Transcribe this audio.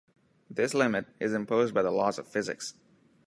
This limit is imposed by the laws of physics.